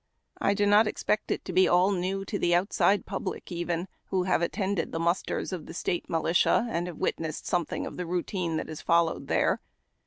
I do not expect it to be all new to the outside public even, who have attended the musters of the State militia, and have witnessed some thing of the routine that is followed there.